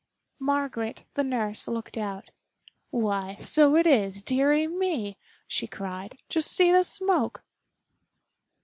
Margaret, the nurse, looked out. "Why, so it is, dearie me!" she cried. "Just see the smoke."